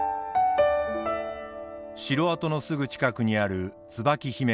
城跡のすぐ近くにある椿姫観音。